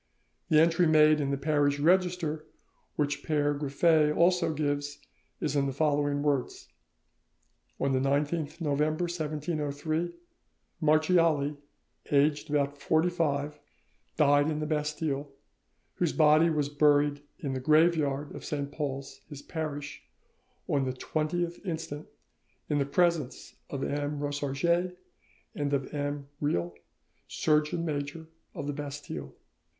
The entry made in the parish register, which Pere Griffet also gives, is in the following words:— "On the 19th November 1703, Marchiali, aged about forty five, died in the Bastille, whose body was buried in the graveyard of Saint Paul's, his parish, on the 20th instant, in the presence of M. Rosarges and of M. Reilh, Surgeon Major of the Bastille.